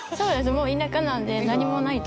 もう田舎なんで何もない所。